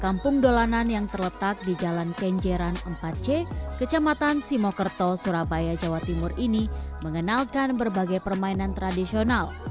kampung dolanan yang terletak di jalan kenjeran empat c kecamatan simokerto surabaya jawa timur ini mengenalkan berbagai permainan tradisional